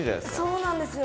そうなんですよ。